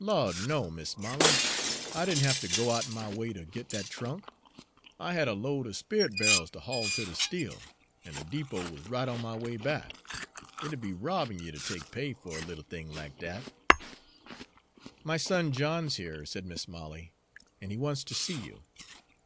"Lawd, no, Mis' Molly; I did n' hafter go out'n my way ter git dat trunk. I had a load er sperrit bairls ter haul ter de still, an' de depot wuz right on my way back. It'd be robbin' you ter take pay fer a little thing lack dat." "My son John's here," said Mis' Molly "an' he wants to see you.